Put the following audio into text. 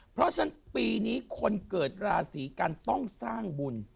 เพราะฉะนั้นปีนี้คนเกิดราศีกันต้องสร้างบุญ